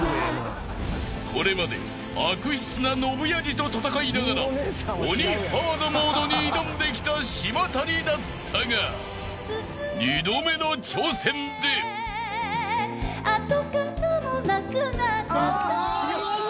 ［これまで悪質なノブ野次と戦いながら鬼ハードモードに挑んできた島谷だったが２度目の挑戦で］よし！